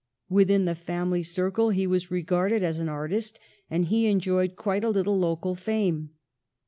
Within the family circle he was regarded as an artist, and he enjoyed quite a little local fame.